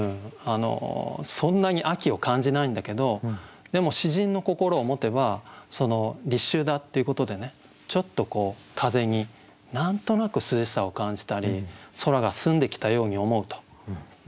そんなに秋を感じないんだけどでも詩人の心を持てば立秋だっていうことでちょっと風に何となく涼しさを感じたり空が澄んできたように思うと。